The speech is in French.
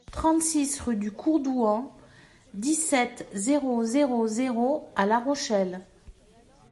trente-six rue DU CORDOUAN, dix-sept, zéro zéro zéro à La Rochelle